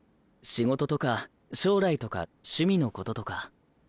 仕事とか将来とか趣味のこととか。